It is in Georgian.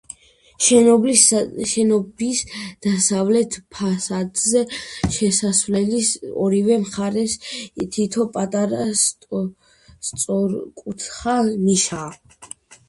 შენობის დასავლეთ ფასადზე, შესასვლელის ორივე მხარეს, თითო პატარა, სწორკუთხა ნიშაა.